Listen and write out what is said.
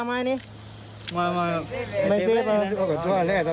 ตั้งปลา